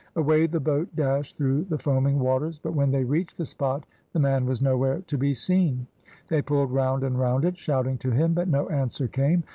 Away the boat dashed through the foaming waters, but when they reached the spot the man was nowhere to be seen. They pulled round and round it, shouting to him, but no answer came.